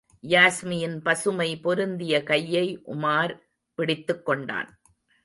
யாஸ்மியின் பசுமை பொருந்திய கையை உமார் பிடித்துக் கொண்டான்.